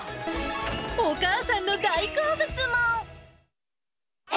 お母さんの大好物も。